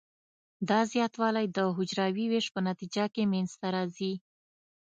دا زیاتوالی د حجروي ویش په نتیجه کې منځ ته راځي.